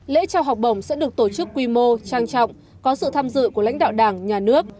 lễ trao học bổng sẽ được tổ chức quy mô trang trọng có sự tham dự của lãnh đạo đảng nhà nước